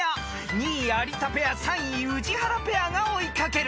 ［２位有田ペア３位宇治原ペアが追い掛ける］